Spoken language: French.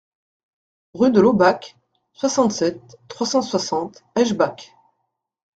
Rue de Laubach, soixante-sept, trois cent soixante Eschbach